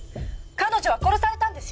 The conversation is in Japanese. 彼女は殺されたんですよ。